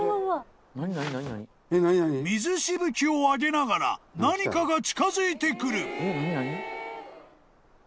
［水しぶきを上げながら何かが近づいてくる］